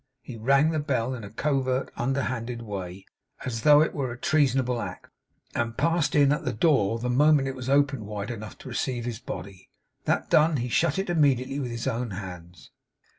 He rang the bell in a covert under handed way, as though it were a treasonable act; and passed in at the door, the moment it was opened wide enough to receive his body. That done, he shut it immediately with his own hands.